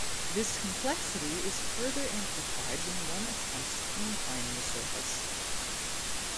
This complexity is further amplified when one attempts to incline the surface.